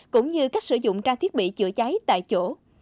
cũng như cách sử dụng trang thiết bị chữa cháy tại chỗ